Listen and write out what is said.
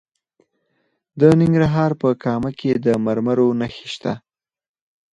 د ننګرهار په کامه کې د مرمرو نښې شته.